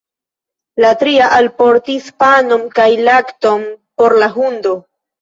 La tria alportis panon kaj lakton por la hundo.